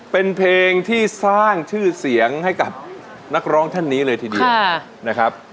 เป็นเพลงที่สร้างชื่อเสียงให้กับนักร้องท่านนี้เลยทีเดียวนะครับ